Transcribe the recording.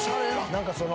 何かその。